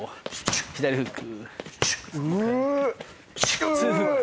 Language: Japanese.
左フック。